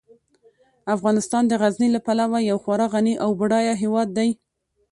افغانستان د غزني له پلوه یو خورا غني او بډایه هیواد دی.